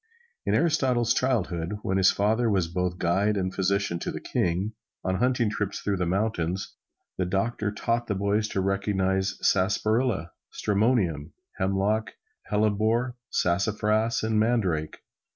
In Aristotle's childhood, when his father was both guide and physician to the king, on hunting trips through the mountains, the doctor taught the boys to recognize sarsaparilla, stramonium, hemlock, hellebore, sassafras and mandrake.